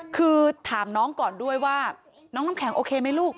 คือถามน้องก่อนด้วยว่าน้องน้ำแข็งโอเคไหมลูก